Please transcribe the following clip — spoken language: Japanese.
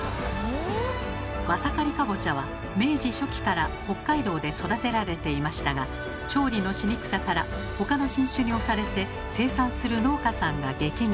マサカリかぼちゃは明治初期から北海道で育てられていましたが調理のしにくさから他の品種に押されて生産する農家さんが激減。